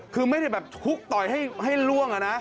คือไม่ได้แบบชุกต่อยให้ล่วงอะนะ